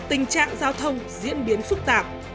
tình trạng giao thông diễn biến phức tạp